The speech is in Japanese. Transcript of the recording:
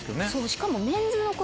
しかも。